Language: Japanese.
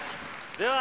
では。